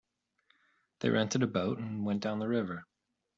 They rented a boat and went down the river.